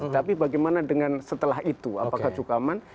tapi bagaimana dengan setelah itu apakah cukup aman